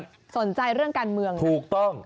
ดังมายอยากรู้เรื่องการเมืองนะถูกต้อง